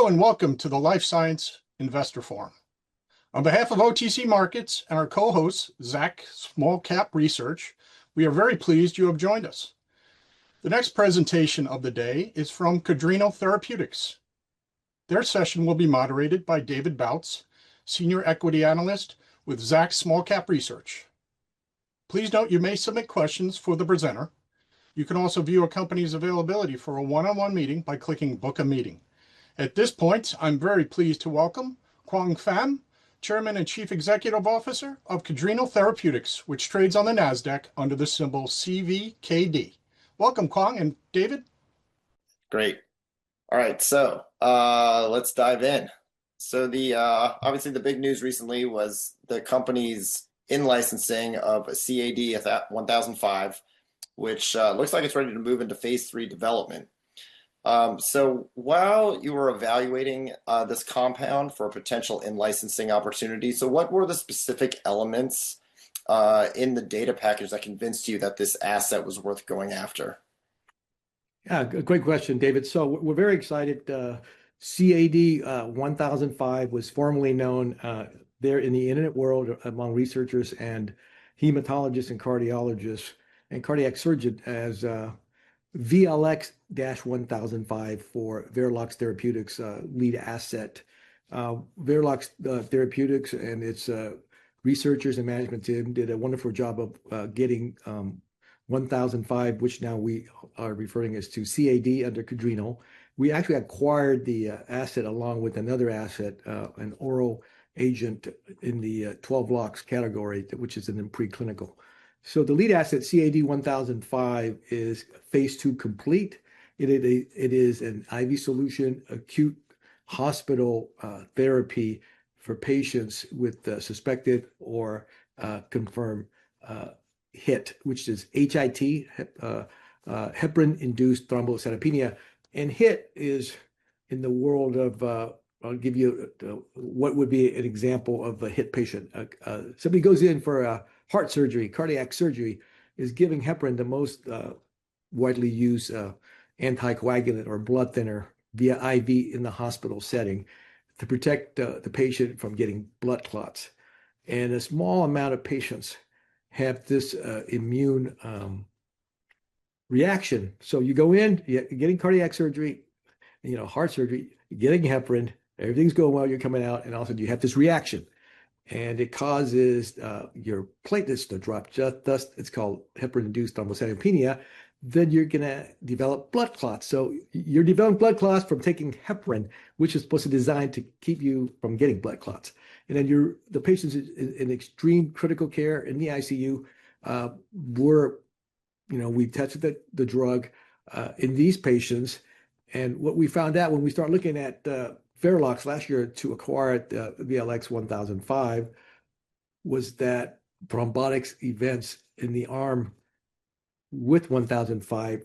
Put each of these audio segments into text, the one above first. Hello, and welcome to the Life Science Investor Forum. On behalf of OTC Markets and our co-host, Zacks Small Cap Research, we are very pleased you have joined us. The next presentation of the day is from Cadrenal Therapeutics. Their session will be moderated by David Bautz, Senior Equity Analyst with Zacks Small Cap Research. Please note you may submit questions for the presenter. You can also view a company's availability for a one-on-one meeting by clicking Book a Meeting. At this point, I'm very pleased to welcome Quang Pham, Chairman and Chief Executive Officer of Cadrenal Therapeutics, which trades on the Nasdaq under the symbol CVKD. Welcome, Quang and David. Great. All right, let's dive in. The, obviously the big news recently was the company's in-licensing of CAD-1005, which looks like it's ready to move into phase III development. While you were evaluating this compound for potential in-licensing opportunities, what were the specific elements in the data package that convinced you that this asset was worth going after? Yeah, great question, David. We're very excited. CAD-1005 was formerly known there in the internet world among researchers and hematologists and cardiologists and cardiac surgeons as VLX-1005 for Veralox Therapeutics' lead asset. Veralox Therapeutics and its researchers and management team did a wonderful job of getting 1005, which now we are referring to as CAD-1005 under Cadrenal. We actually acquired the asset along with another asset, an oral agent in the 12-LOX category, which is in the preclinical. The lead asset, CAD-1005, is phase II complete. It is an IV solution, acute hospital therapy for patients with suspected or confirmed HIT, which is HIT, heparin-induced thrombocytopenia. HIT is in the world of, I'll give you what would be an example of a HIT patient. Somebody goes in for a heart surgery, cardiac surgery, is given heparin, the most widely used anticoagulant or blood thinner via IV in the hospital setting to protect the patient from getting blood clots. A small amount of patients have this immune reaction. You go in, getting cardiac surgery, you know, heart surgery, getting heparin, everything's going well, you're coming out, and all of a sudden you have this reaction. It causes your platelets to drop just, it's called heparin-induced thrombocytopenia, then you're gonna develop blood clots. You're developing blood clots from taking heparin, which is supposed to designed to keep you from getting blood clots. The patient's in extreme critical care in the ICU. We, you know, tested the drug in these patients, and what we found out when we started looking at Veralox last year to acquire the VLX-1005, was that thrombotic events in the arm with 1005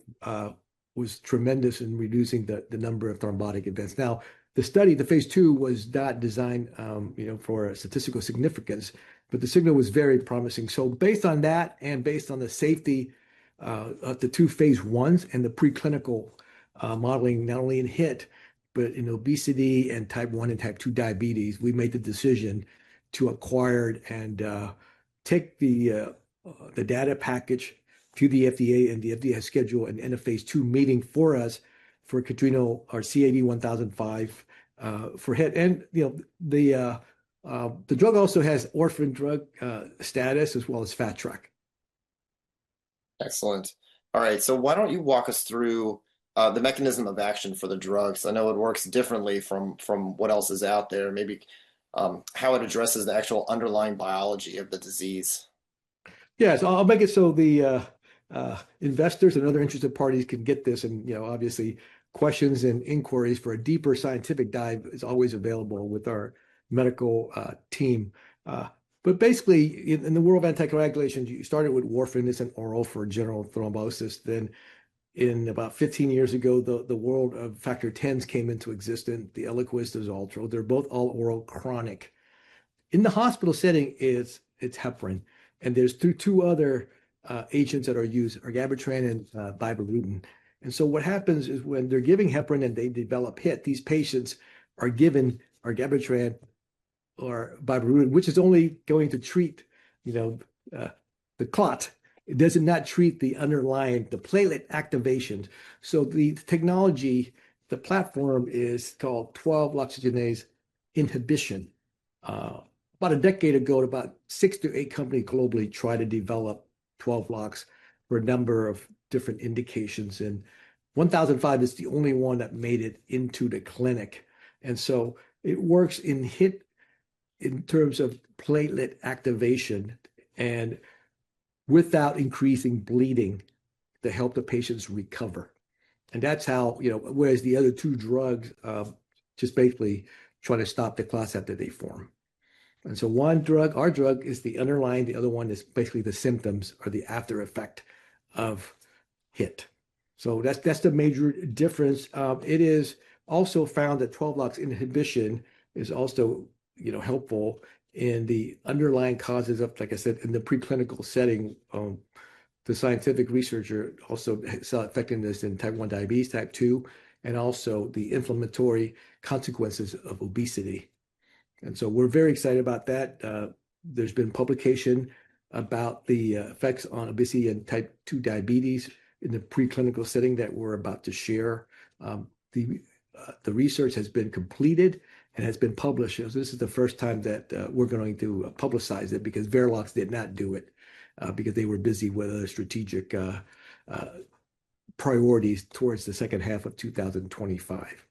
was tremendous in reducing the number of thrombotic events. Now, the study, the phase II, was not designed for statistical significance, but the signal was very promising. Based on that and based on the safety of the two phase I's and the preclinical modeling, not only in HIT, but in obesity and type 1 and type 2 diabetes, we made the decision to acquire and take the data package to the FDA, and the FDA scheduled a phase II meeting for us for Cadrenal, our CAD-1005, for HIT. You know, the drug also has Orphan Drug status as well as Fast Track. Excellent. All right. Why don't you walk us through the mechanism of action for the drugs. I know it works differently from what else is out there. Maybe how it addresses the actual underlying biology of the disease. Yes. I'll make it so the investors and other interested parties can get this, and you know, obviously questions and inquiries for a deeper scientific dive is always available with our medical team. Basically in the world of anticoagulation, you started with warfarin as an oral for general thrombosis. Then in about 15 years ago, the world of Factor Xa came into existence. The Eliquis, Xarelto, they're both all oral chronic. In the hospital setting, it's heparin, and there are two other agents that are used, argatroban and bivalirudin. What happens is when they're giving heparin and they develop HIT, these patients are given argatroban or bivalirudin, which is only going to treat, you know, the clot. It does not treat the underlying platelet activation. The technology, the platform is called 12-lipoxygenase inhibition. About a decade ago, about six to eight companies globally tried to develop 12-LOX for a number of different indications, and 1005 is the only one that made it into the clinic. It works in HIT in terms of platelet activation and without increasing bleeding to help the patients recover. That's how, you know, whereas the other two drugs just basically try to stop the clots after they form. One drug, our drug is the underlying, the other one is basically the symptoms or the after effect of HIT. That's the major difference. It is also found that 12-LOX inhibition is also, you know, helpful in the underlying causes of, like I said, in the preclinical setting, the scientific researcher also saw effectiveness in type 1 diabetes, type 2, and also the inflammatory consequences of obesity. We're very excited about that. There's been publication about the effects on obesity and type two diabetes in the preclinical setting that we're about to share. The research has been completed and has been published. This is the first time that we're going to publicize it because Veralox did not do it because they were busy with other strategic priorities towards the second half of 2025.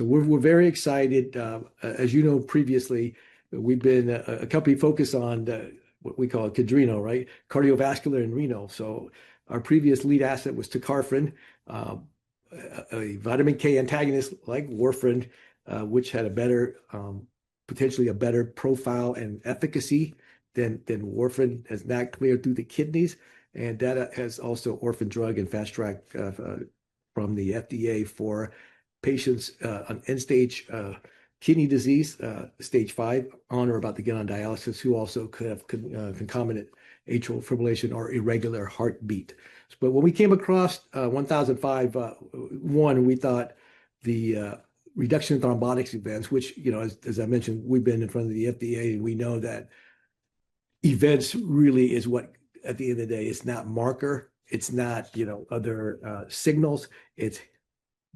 We're very excited. As you know previously, we've been a company focused on the, what we call cardiorenal, right? Cardiovascular and renal. Our previous lead asset was tecarfarin, a vitamin K antagonist like warfarin, which had potentially a better profile and efficacy than warfarin as that cleared through the kidneys. That has also Orphan Drug and Fast Track from the FDA for patients on end-stage kidney disease, stage 5 or about to get on dialysis, who also could have concomitant atrial fibrillation or irregular heartbeat. When we came across 1005, we thought the reduction in thrombotic events, which, you know, as I mentioned, we've been in front of the FDA, and we know that events really is what, at the end of the day, it's not marker, it's not, you know, other signals. It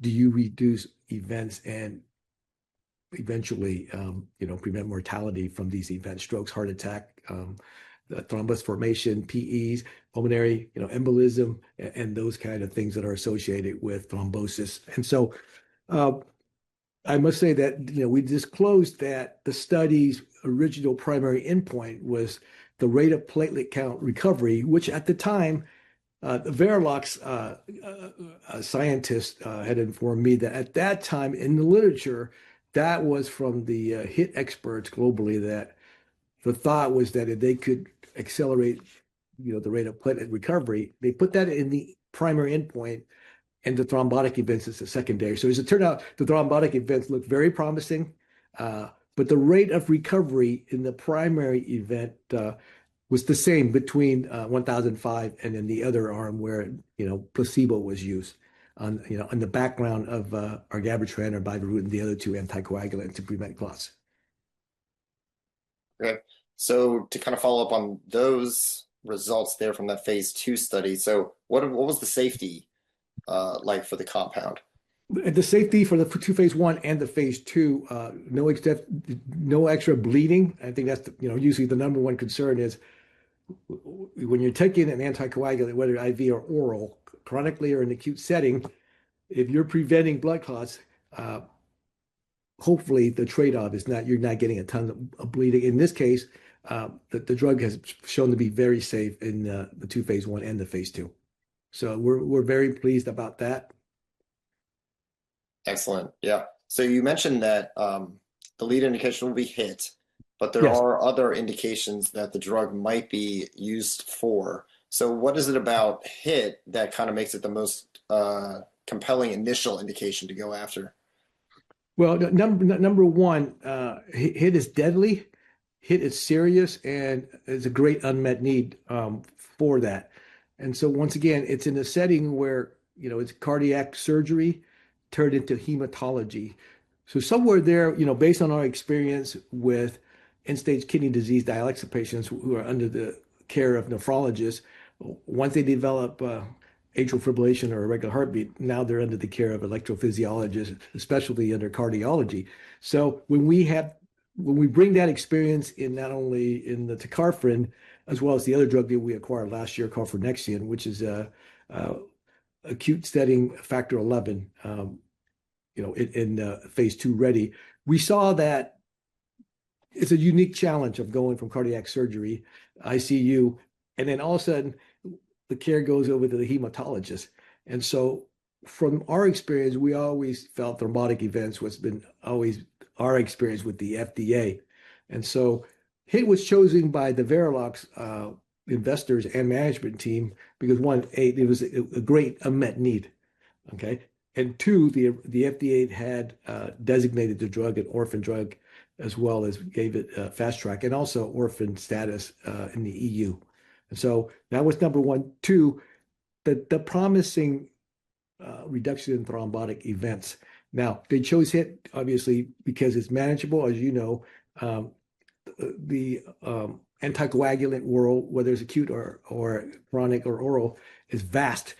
does reduce events and eventually, you know, prevent mortality from these events, strokes, heart attack, thrombosis formation, PEs, pulmonary embolism, and those kind of things that are associated with thrombosis. I must say that, you know, we disclosed that the study's original primary endpoint was the rate of platelet count recovery, which at the time, Veralox a scientist had informed me that at that time in the literature, that was from the HIT experts globally, that the thought was that if they could accelerate, you know, the rate of platelet recovery, they put that in the primary endpoint, and the thrombotic events is the secondary. As it turned out, the thrombotic events looked very promising, but the rate of recovery in the primary event was the same between 1005 and in the other arm where, you know, placebo was used on, you know, on the background of argatroban or bivalirudin, the other two anticoagulants to prevent clots. Okay. To kind of follow up on those results there from that phase II study, so what was the safety like for the compound? The safety for the two phase I and the phase II, no extra bleeding. I think that's, you know, usually the number one concern is when you're taking an anticoagulant, whether IV or oral, chronically or in acute setting, if you're preventing blood clots, hopefully the trade-off is not, you're not getting a ton of bleeding. In this case, the drug has shown to be very safe in the two phase I and the phase II. We're very pleased about that. Excellent. Yeah. You mentioned that, the lead indication will be HIT. Yes. There are other indications that the drug might be used for. What is it about HIT that kind of makes it the most compelling initial indication to go after? Well, number one, HIT is deadly, HIT is serious, and there's a great unmet need for that. Once again, it's in a setting where, you know, it's cardiac surgery turned into hematology. Somewhere there, you know, based on our experience with end-stage kidney disease dialysis patients who are under the care of nephrologists, once they develop atrial fibrillation or irregular heartbeat, now they're under the care of electrophysiologist, a specialty under cardiology. When we bring that experience in not only in the tecarfarin, as well as the other drug that we acquired last year called frunexian, which is a acute setting Factor XIa, you know, in the phase II ready. We saw that it's a unique challenge of going from cardiac surgery, ICU, and then all of a sudden the care goes over to the hematologist. From our experience, we always felt thrombotic events have always been our experience with the FDA. HIT was chosen by the Veralox investors and management team because one, it was a great unmet need. Two, the FDA had designated the drug an Orphan Drug as well as gave it Fast Track and also orphan status in the EU. That was number one. Two, the promising reduction in thrombotic events. Now they chose HIT obviously because it's manageable. As you know, the anticoagulant world, whether it's acute or chronic or oral, is vast.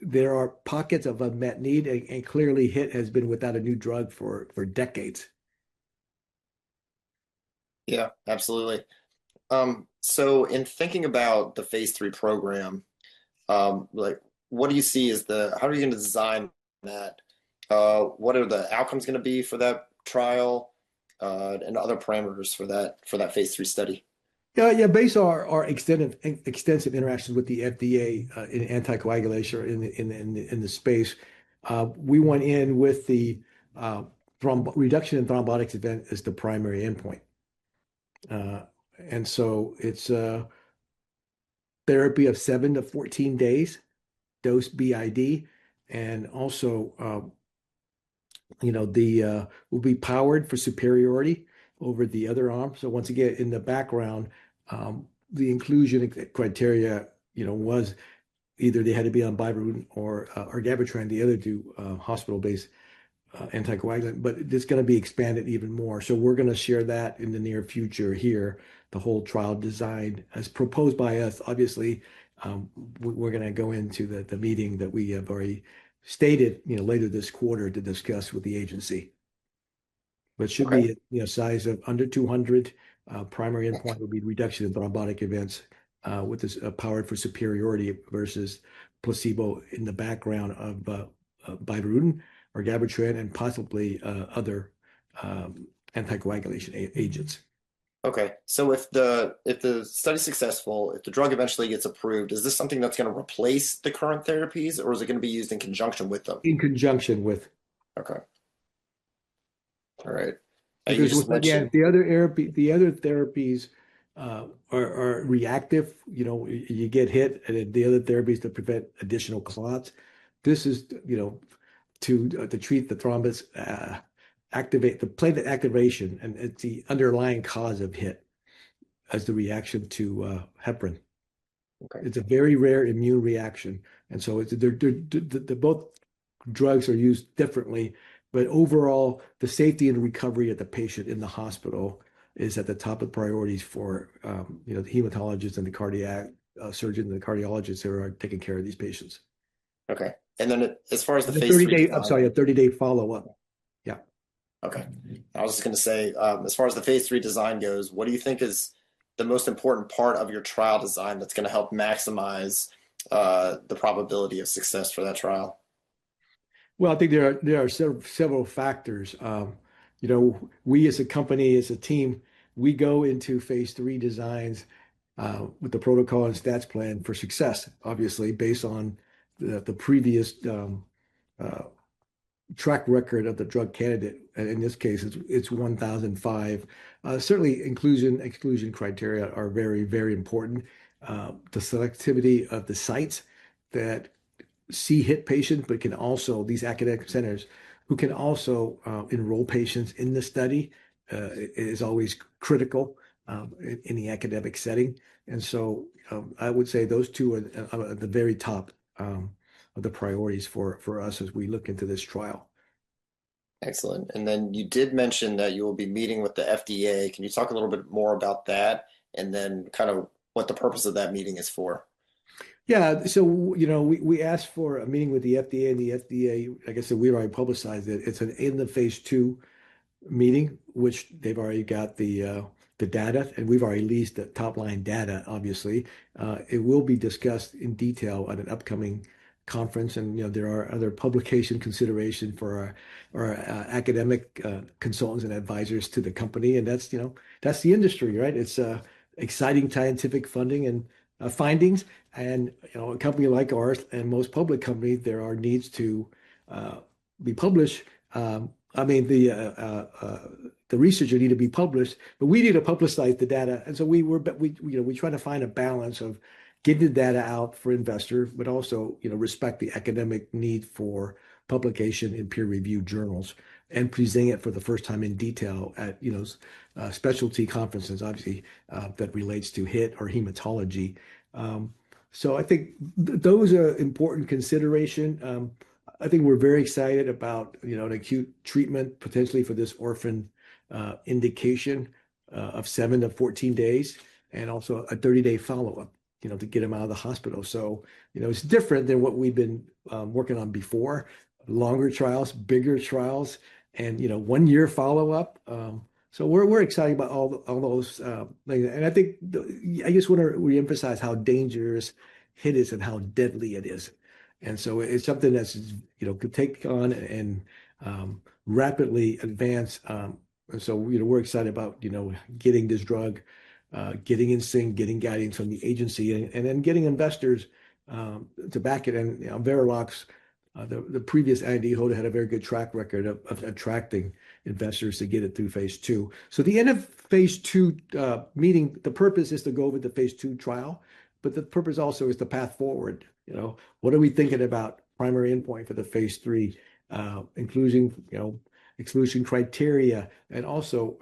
There are pockets of unmet need, and clearly HIT has been without a new drug for decades. Yeah, absolutely. In thinking about the phase III program, like what do you see as how are you going to design that? What are the outcomes going to be for that trial, and other parameters for that phase III study? Yeah. Based on our extensive interactions with the FDA in anticoagulation in the space, we went in with the reduction in thrombotic event as the primary endpoint. It's a therapy of seven to 14 days, dose BID, and also, you know, the will be powered for superiority over the other arm. Once again, in the background, the inclusion criteria, you know, was either they had to be on bivalirudin or argatroban, the other two hospital-based anticoagulant. It's gonna be expanded even more. We're gonna share that in the near future here, the whole trial design as proposed by us. Obviously, we're gonna go into the meeting that we have already stated, you know, later this quarter to discuss with the agency. Okay. Which should be a you know size of under 200. Primary endpoint will be reduction in thrombotic events with this powered for superiority versus placebo in the background of bivalirudin, argatroban, and possibly other anticoagulation agents. Okay. If the study's successful, if the drug eventually gets approved, is this something that's gonna replace the current therapies, or is it gonna be used in conjunction with them? In conjunction with. Okay. All right. Once again, the other therapies are reactive. You know, you get HIT, and then the other therapy is to prevent additional clots. This is, you know, to treat the thrombus, the platelet activation, and it's the underlying cause of HIT as the reaction to heparin. Okay. It's a very rare immune reaction, and so both drugs are used differently, but overall, the safety and recovery of the patient in the hospital is at the top of priorities for, you know, the hematologist and the cardiac surgeon, the cardiologists who are taking care of these patients. Okay. As far as the phase III— I'm sorry, a 30-day follow-up. Yeah. Okay. I was just gonna say, as far as the phase III design goes, what do you think is the most important part of your trial design that's gonna help maximize, the probability of success for that trial? Well, I think there are several factors. You know, we as a company, as a team, we go into phase III designs with the protocol and stats plan for success, obviously, based on the previous track record of the drug candidate. In this case, it's 1005. Certainly inclusion, exclusion criteria are very, very important. The selectivity of the sites that see HIT patients, but can also, these academic centers, who can also enroll patients in the study is always critical in the academic setting. I would say those two are at the very top of the priorities for us as we look into this trial. Excellent. You did mention that you will be meeting with the FDA. Can you talk a little bit more about that, and then kind of what the purpose of that meeting is for? Yeah. You know, we asked for a meeting with the FDA, and the FDA, I guess we've already publicized it's an end-of-phase II meeting, which they've already got the data, and we've already released the top-line data, obviously. It will be discussed in detail at an upcoming conference, and, you know, there are other publication consideration for our academic consultants and advisors to the company. That's, you know, that's the industry, right? It's exciting scientific funding and findings. You know, a company like ours and most public companies, there are needs to be published. I mean, the research will need to be published, but we need to publicize the data. We try to find a balance of getting the data out for investors, but also respect the academic need for publication in peer-reviewed journals and presenting it for the first time in detail at specialty conferences, obviously, that relates to HIT or hematology. I think those are important consideration. I think we're very excited about an acute treatment potentially for this orphan indication of seven to 14 days, and also a 30-day follow-up to get them out of the hospital. It's different than what we've been working on before. Longer trials, bigger trials, and one-year follow-up. We're excited about all those things. I just wanna re-emphasize how dangerous HIT is and how deadly it is. It's something that's, you know, could take on and rapidly advance. You know, we're excited about, you know, getting this drug, getting in sync, getting guidance from the agency, and then getting investors to back it. Veralox, the previous R&D holder, had a very good track record of attracting investors to get it through phase II. The end-of-phase II meeting, the purpose is to go over the phase II trial, but the purpose also is the path forward. You know, what are we thinking about primary endpoint for the phase III, including, you know, exclusion criteria, and also,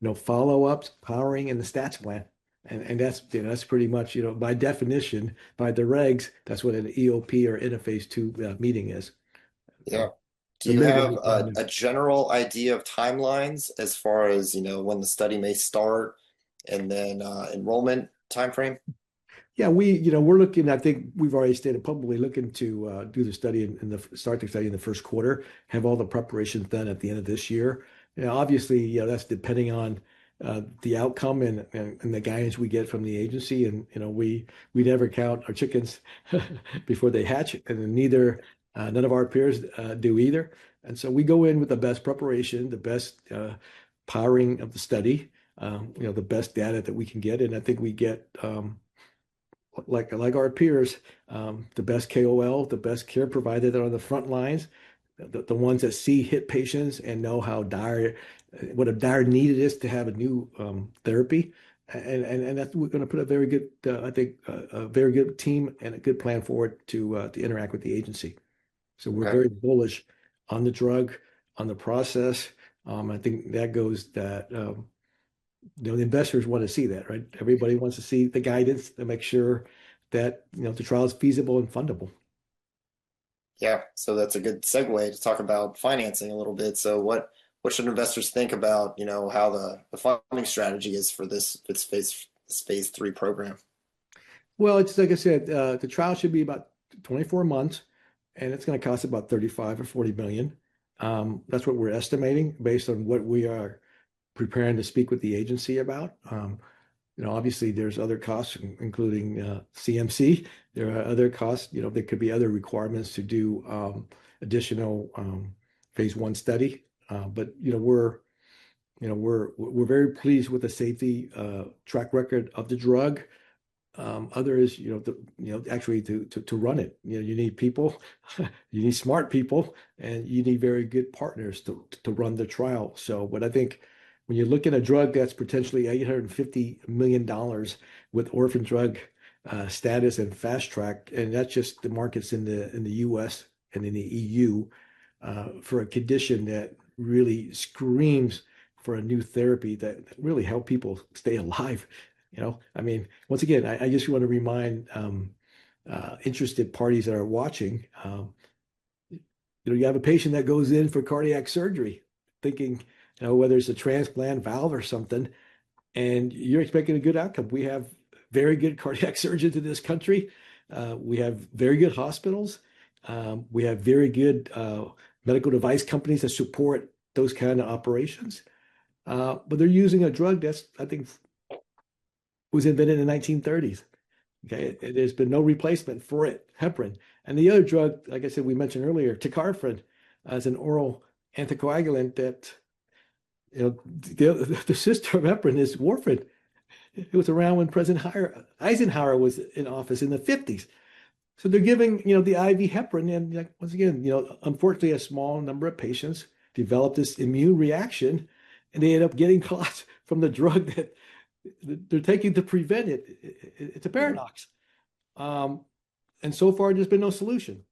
you know, follow-ups, powering, and the stats plan. That's, you know, that's pretty much, you know, by definition, by the regs, that's what an EOP or end of phase II meeting is. Yeah. Do you have a general idea of timelines as far as, you know, when the study may start, and then, enrollment timeframe? Yeah. We, you know, we're looking. I think we've already stated publicly, looking to start the study in the first quarter, have all the preparations done at the end of this year. You know, obviously, you know, that's depending on the outcome and the guidance we get from the agency and, you know, we never count our chickens before they hatch, and neither none of our peers do either. We go in with the best preparation, the best powering of the study, you know, the best data that we can get. I think we get, like our peers, the best KOL, the best care provider that are on the front lines, the ones that see HIT patients and know how dire, what a dire need it is to have a new therapy. That's we're gonna put a very good team and a good plan forward to interact with the agency. Okay. We're very bullish on the drug, on the process. You know, the investors wanna see that, right? Everybody wants to see the guidance to make sure that, you know, the trial is feasible and fundable. Yeah. That's a good segue to talk about financing a little bit. What should investors think about, you know, how the funding strategy is for this phase III program? Well, it's like I said, the trial should be about 24 months, and it's gonna cost about $35 million-$40 million. That's what we're estimating based on what we are preparing to speak with the agency about. You know, obviously there's other costs, including CMC. There are other costs, you know, there could be other requirements to do additional phase I study. But you know, we're very pleased with the safety track record of the drug. Others, you know, actually to run it, you know, you need people, you need smart people, and you need very good partners to run the trial. What I think when you look at a drug that's potentially $850 million with Orphan Drug status and Fast Track, and that's just the markets in the U.S. and in the EU for a condition that really screams for a new therapy that really help people stay alive, you know. I mean, once again, I just wanna remind interested parties that are watching, you know, you have a patient that goes in for cardiac surgery thinking, you know, whether it's a transplant valve or something, and you're expecting a good outcome. We have very good cardiac surgeons in this country. We have very good hospitals. We have very good medical device companies that support those kind of operations. But they're using a drug that's, I think was invented in the 1930s, okay. There's been no replacement for it, heparin. The other drug, like I said, we mentioned earlier, ticagrelor as an oral anticoagulant that, you know, the sister of heparin is warfarin. It was around when President Eisenhower was in office in the 1950s. They're giving, you know, the IV heparin and, like, once again, you know, unfortunately a small number of patients develop this immune reaction, and they end up getting clots from the drug that they're taking to prevent it. It's a paradox. So far there's been no solution.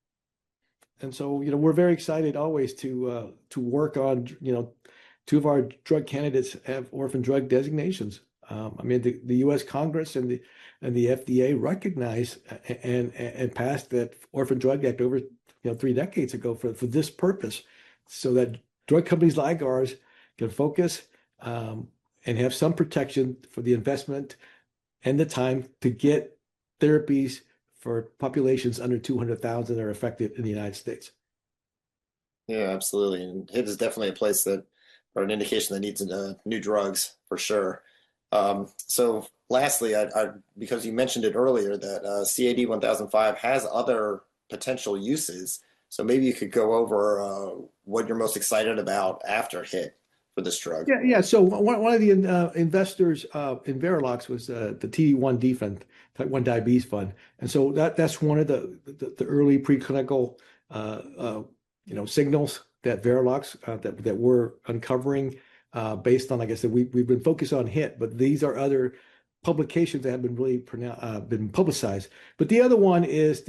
You know, we're very excited always to work on, you know, two of our drug candidates have Orphan Drug Designations. I mean, the U.S. Congress and the FDA recognized and passed that Orphan Drug Act over, you know, three decades ago for this purpose, so that drug companies like ours can focus and have some protection for the investment and the time to get therapies for populations under 200,000 that are affected in the United States. Yeah, absolutely. HIT is definitely a place that, or an indication that needs new drugs for sure. Lastly, because you mentioned it earlier that CAD-1005 has other potential uses, so maybe you could go over what you're most excited about after HIT for this drug. Yeah. One of the investors in Veralox was the T1D Fund. That's one of the early preclinical, you know, signals that Veralox that we're uncovering based on, like I said, we've been focused on HIT, but these are other publications that have really been publicized. The other one is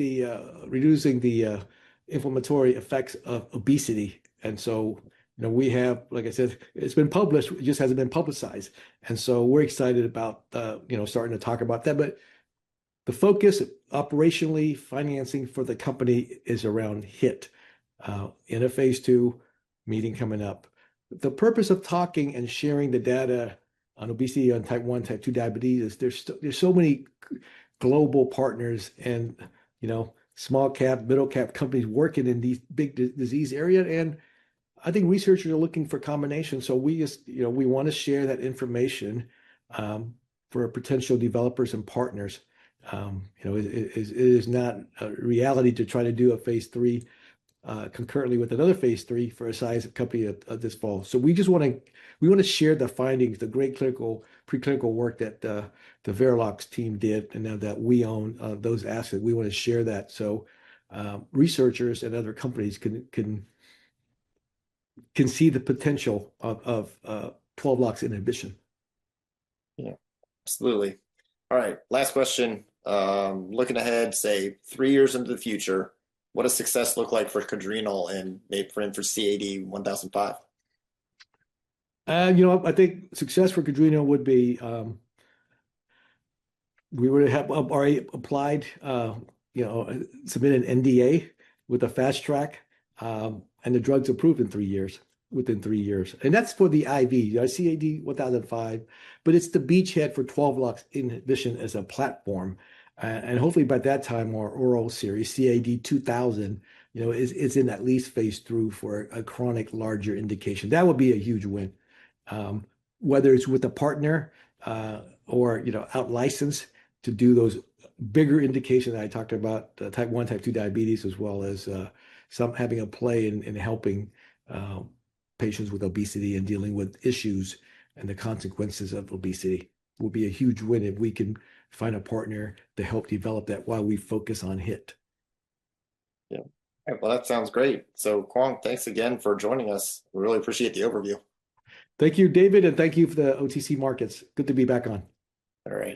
reducing the inflammatory effects of obesity. You know, we have, like I said, it's been published, it just hasn't been publicized. We're excited about, you know, starting to talk about that. The focus operationally financing for the company is around HIT. In a phase II meeting coming up. The purpose of talking and sharing the data on obesity, on type 1, type 2 diabetes, there's so many global partners and, you know, small cap, middle cap companies working in these big disease area. I think researchers are looking for combinations. We just, you know, we wanna share that information for potential developers and partners. You know, it is not a reality to try to do a phase III concurrently with another phase III for a size of company at this stage. We just wanna share the findings, the great clinical, preclinical work that the Veralox team did, and now that we own those assets, we wanna share that so researchers at other companies can see the potential of 12-LOX inhibition. Yeah. Absolutely. All right, last question. Looking ahead, say three years into the future, what does success look like for Cadrenal and maybe frame for CAD-1005? You know, I think success for Cadrenal would be, we would have already applied, you know, submit an NDA with a Fast Track, and the drug's approved in three years, within three years. That's for the IV. Our 1005, but it's the beachhead for 12-LOX inhibition as a platform. Hopefully by that time, our oral series, CAD-2000, you know, is in at least phase III for a chronic larger indication. That would be a huge win. Whether it's with a partner, or, you know, out licensed to do those bigger indications I talked about, type 1, type 2 diabetes as well as, some having a play in helping patients with obesity and dealing with issues and the consequences of obesity, will be a huge win if we can find a partner to help develop that while we focus on HIT. Yeah. Well, that sounds great. Quang, thanks again for joining us. We really appreciate the overview. Thank you, David, and thank you for the OTC Markets. Good to be back on. All right.